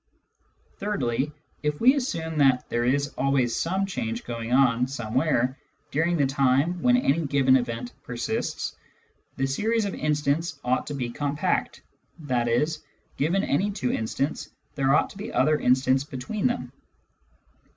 Thirdly, if we assume that there is always some change going on somewhere during the time when any given event persists, the series of instants ought to be compact, i.e. given any two instants, there ought to be other instants between them.